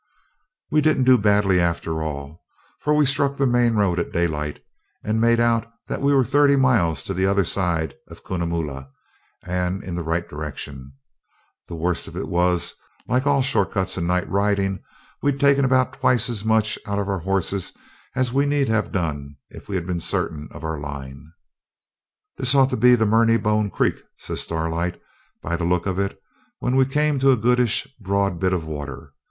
We didn't do badly after all, for we struck the main road at daylight and made out that we were thirty miles the other side of Cunnamulla, and in the right direction. The worst of it was, like all short cuts and night riding, we'd taken about twice as much out of our horses as we need have done if we'd been certain of our line. 'This ought to be Murrynebone Creek,' says Starlight, 'by the look of it,' when we came to a goodish broad bit of water.